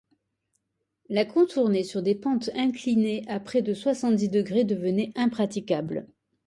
La contourner sur des pentes inclinées à près de soixante-dix degrés devenait impraticable